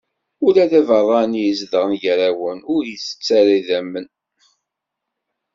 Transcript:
Ula d abeṛṛani izedɣen gar-awen ur itett ara idammen.